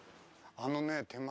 あのね手前の。